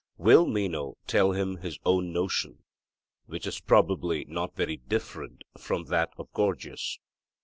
Will Meno tell him his own notion, which is probably not very different from that of Gorgias?